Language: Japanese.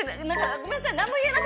ごめんなさい。